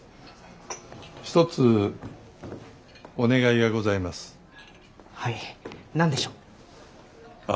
一つお願いがございます。